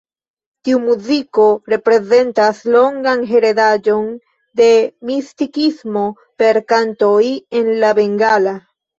Tiu muziko reprezentas longan heredaĵon de mistikismo per kantoj en la bengala.